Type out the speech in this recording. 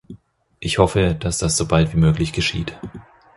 Ich hoffe, dass das sobald wie möglich geschieht.